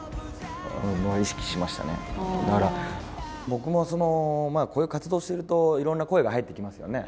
僕もこういう活動してると、いろんな声が入ってきますよね。